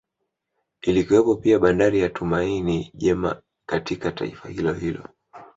Ilikuwepo pia Bandari ya Tumaini Jema katika taifa hilo hilo